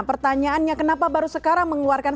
pertanyaannya kenapa baru sekarang mengeluarkan